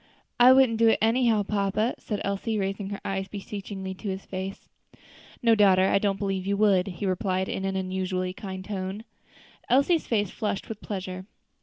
"I wouldn't do it anyhow, papa," said Elsie, raising her eyes beseechingly to his face. "No, daughter, I don't believe you would," he replied in an unusually kind tone, and Elsie's face flushed with pleasure.